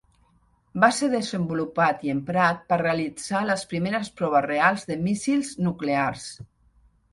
Va ser desenvolupat i emprat per realitzar les primeres proves reals de míssils nuclears.